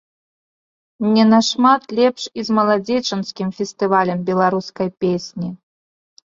Не нашмат лепш і з маладзечанскім фестывалем беларускай песні.